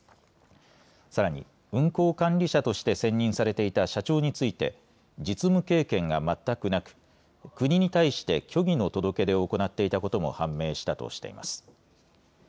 さらに運航管理者として選任されていた社長について実務経験が全くなく国に対して虚偽の届け出を行っていたことも判明したとしています。